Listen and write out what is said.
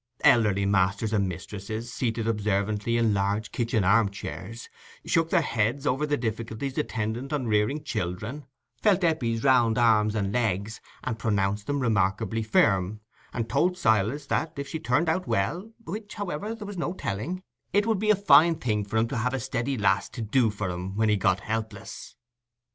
Elderly masters and mistresses, seated observantly in large kitchen arm chairs, shook their heads over the difficulties attendant on rearing children, felt Eppie's round arms and legs, and pronounced them remarkably firm, and told Silas that, if she turned out well (which, however, there was no telling), it would be a fine thing for him to have a steady lass to do for him when he got helpless.